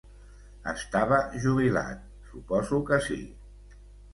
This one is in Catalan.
Estava jubilat, suposo que sí.